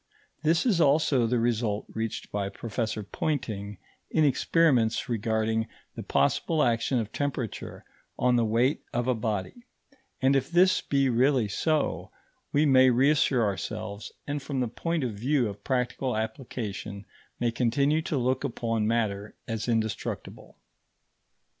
This is also the result reached by Professor Poynting in experiments regarding the possible action of temperature on the weight of a body; and if this be really so, we may reassure ourselves, and from the point of view of practical application may continue to look upon matter as indestructible.